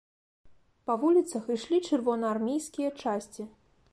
Па вуліцах ішлі чырвонаармейскія часці.